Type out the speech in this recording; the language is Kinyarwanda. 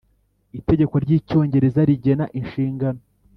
itegeko ry Icyongereza Rigena inshingano